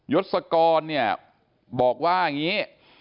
ยศกรบอกว่าอย่างนี้